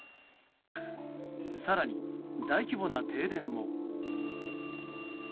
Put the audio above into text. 更に大規模な停電も。